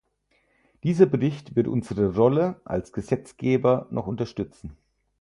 Dieser Bericht wird unsere Rolle als Gesetzgeber noch unterstützen.